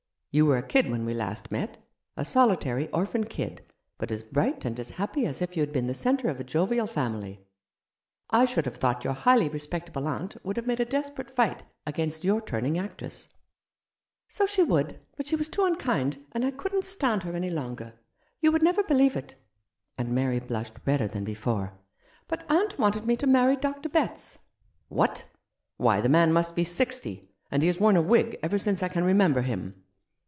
You were a kid when we last met ; a solitary orphan kid, but as bright and as happy as if you had been the centre of a jovial family. I should have thought your highly respectable aunt would have made a desperate fight against your turning actress." " So she would ; but she was too unkind, and I couldn't stand her any longer. You would never believe it "— and Mary blushed redder than before —" but aunt wanted me to marry Dr. Betts." " What ! Why, the man must be sixty, and he has worn a wig ever since I can remember him